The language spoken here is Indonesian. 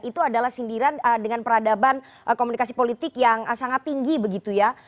itu adalah sindiran dengan peradaban komunikasi politik yang sangat tinggi begitu ya